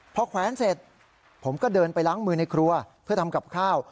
พอแขวนเสร็จผมก็เดินไปล้างมือในครัวเพื่อทำกับข้าว